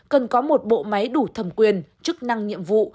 cần có một bộ máy đủ thẩm quyền chức năng nhiệm vụ